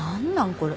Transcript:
これ。